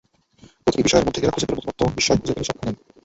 প্রতিটি বিষয়ের মধ্যেই এরা খুঁজে পেল নতুনত্ব, বিস্ময় খুঁজে পেল সবখানেই।